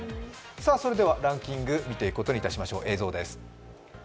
それではランキングを見ていくことにしましょう、映像です。